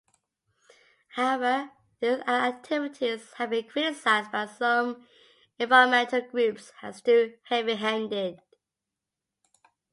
However, these activities have been criticized by some environmental groups as too heavy-handed.